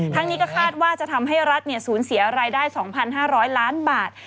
นี้ก็คาดว่าจะทำให้รัฐศูนย์เสียรายได้๒๕๐๐ล้านบาท